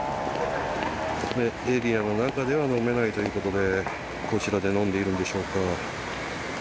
エリアの中では飲めないということでこちらで飲んでいるんでしょうか。